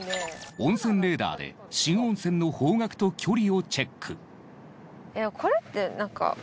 温泉レーダーで新温泉の方角と距離をチェック。